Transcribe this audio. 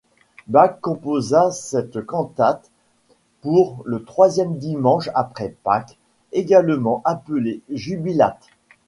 Bach composa cette cantate pour le troisième dimanche après Pâques, également appelé Jubilate.